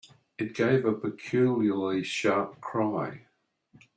It gave a peculiarly sharp cry.